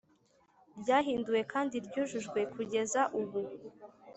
Ryahinduwe kandi ryujujwe kugeza ubu